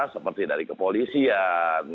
seperti dari kepolisian